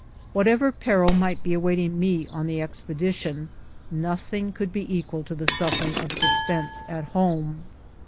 Whatever peril might be awaiting me on the expedition, nothing could be equal to the suffering of suspense at home.